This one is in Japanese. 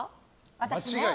私ね。